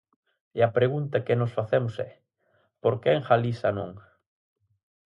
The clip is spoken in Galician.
E a pregunta que nós facemos é: ¿por que en Galiza non?